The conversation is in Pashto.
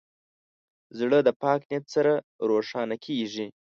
زړه د پاک نیت سره روښانه کېږي.